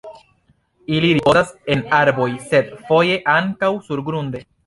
Ili ripozas en arboj sed foje ankaŭ surgrunde.